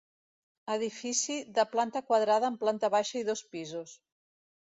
Edifici de planta quadrada amb planta baixa i dos pisos.